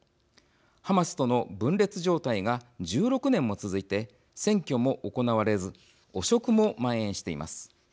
ハマスとの分裂状態が１６年も続いて選挙も行われず汚職もまん延しています。